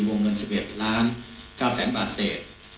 วงเงิน๑๑๙๐๐๐๐๐บาทเศษ